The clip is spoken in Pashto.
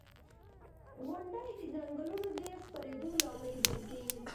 • غونډۍ د ځنګلونو د خپرېدو لامل ګرځي.